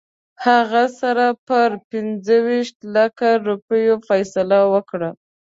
هغه سره پر پنځه ویشت لکه روپیو فیصله وکړه.